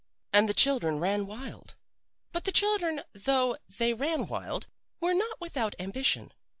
"And the children ran wild. "But the children, though they ran wild, were not without ambition.